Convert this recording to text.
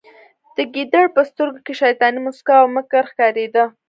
د ګیدړ په سترګو کې شیطاني موسکا او مکر ښکاریده